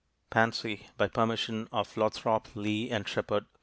_Pansy, by permission of Lothrop, Lee & Shepard Co.